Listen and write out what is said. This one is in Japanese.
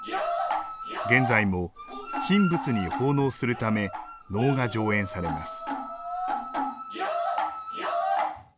現在も、神仏に奉納するため能が上演されます。